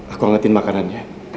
aku angetin makanannya